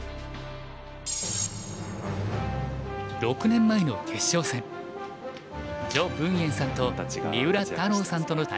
６年前の決勝戦徐文燕さんと三浦太郎さんとの対局。